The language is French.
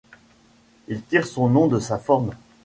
Il tire son nom de sa forme.